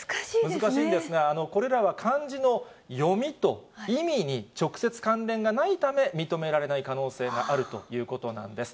難しいんですが、これらは漢字の読みと意味に直接関連がないため認められない可能性があるということなんです。